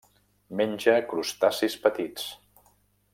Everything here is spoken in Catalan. Menja crustacis petits.